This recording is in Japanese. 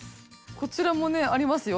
こちらもねありますよ。